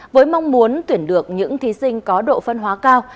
với mong muốn tuyển được những thí sinh có độ phân hóa cao